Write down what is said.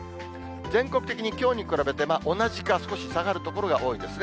全国的にきょうに比べて同じか少し下がる所が多いですね。